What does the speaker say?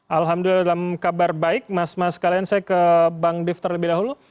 alhamdulillah dalam kabar baik mas mas kalian saya ke bang div terlebih dahulu